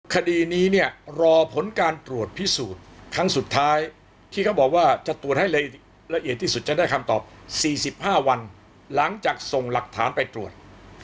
คดีนี้เนี่ยรอผลการตรวจพิสูจน์ครั้งสุดท้ายที่เขาบอกว่าจะตรวจให้ละเอียดที่สุดจะได้คำตอบ๔๕วันหลังจากส่งหลักฐานไปตรวจ